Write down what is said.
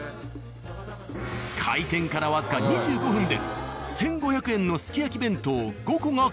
開店から僅か２５分で１５００円のすき焼き弁当５個が完売！